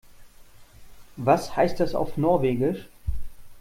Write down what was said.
Was heißt das auf Norwegisch?